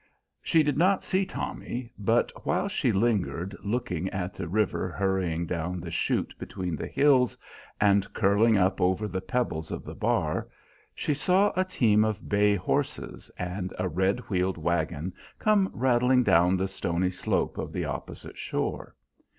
She did not see Tommy; but while she lingered, looking at the river hurrying down the shoot between the hills and curling up over the pebbles of the bar, she saw a team of bay horses and a red wheeled wagon come rattling down the stony slope of the opposite shore.